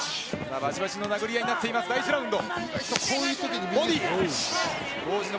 バチバチの殴り合いになっている第１ラウンド。